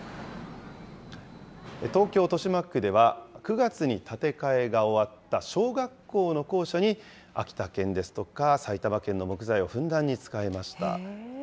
東京・豊島区では、９月に建て替えが終わった小学校の校舎に、秋田県ですとか、埼玉県の木材をふんだんに使いました。